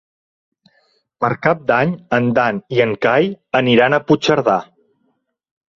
Per Cap d'Any en Dan i en Cai aniran a Puigcerdà.